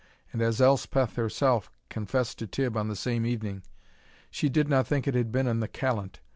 And as Elspeth herself confessed to Tibb on the same evening, "She did not think it had been in the callant.